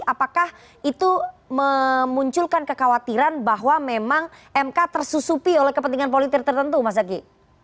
apakah itu memunculkan kekhawatiran bahwa memang mk tersusupi oleh kepentingan politik tertentu mas zaky